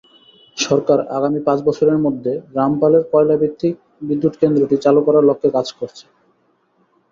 সরকার আগামী পাঁচ বছরের মধ্যে রামপালের কয়লাভিত্তিক বিদ্যুৎকেন্দ্রটি চালু করার লক্ষ্যে কাজ করছে।